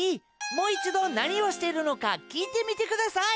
もういちどなにをしてるのかきいてみてください。